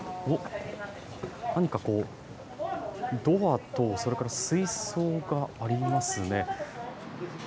何かドアとそれから水槽がありますね。